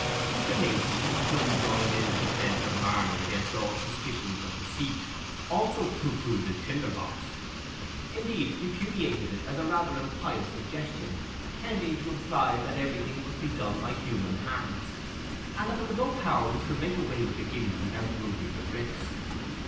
Mr. Macey, though he joined in the defence of Marner against all suspicions of deceit, also pooh poohed the tinder box; indeed, repudiated it as a rather impious suggestion, tending to imply that everything must be done by human hands, and that there was no power which could make away with the guineas without moving the bricks.